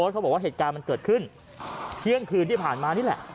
เขาบอกว่าเหตุการณ์มันเกิดขึ้นเที่ยงคืนที่ผ่านมานี่แหละ